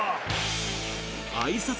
あいさつ